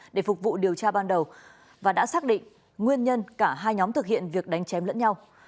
để phục vụ điều tra ban đầu và đã xác định nguyên nhân cả hai nhóm thực hiện việc đánh chém lẫn nhau